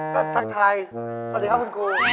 ก็ทักทายสวัสดีครับคุณครู